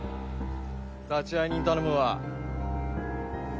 立会人頼むわ。